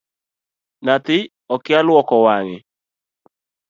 Nyathi okia luoko wange.